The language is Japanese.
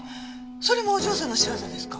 それもお嬢さんの仕業ですか？